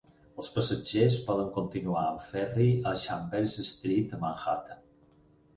Els passatgers poden continuar amb ferri a Chambers St a Manhattan.